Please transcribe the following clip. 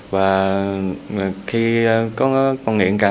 và khi có con nghiện cần